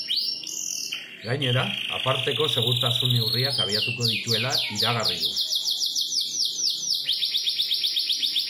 Gainera, aparteko segurtasun neurriak abiatuko dituela iragarri du.